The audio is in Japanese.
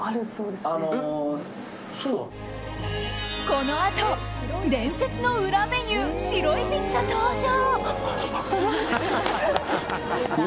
このあと伝説の裏メニュー白いピッツァ登場！